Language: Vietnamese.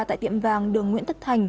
tại tiệm vàng đường nguyễn tất thành